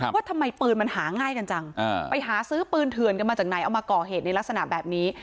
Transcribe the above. ว่าทำไมปืนมันหาง่ายกันจังไปหาซื้อปืนเถื่อนกันมาจากไหนเอามาก่อเหตุในลักษณะแบบนี้